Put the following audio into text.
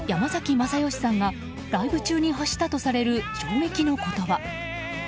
まさよしさんがライブ中に発したとされる衝撃の言葉。